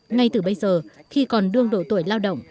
ngay từ bây giờ khi còn đương độ tuổi lao động